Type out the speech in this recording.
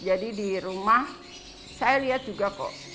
jadi di rumah saya lihat juga kok